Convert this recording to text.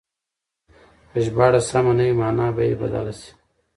که ژباړه سمه نه وي مانا به يې بدله شي.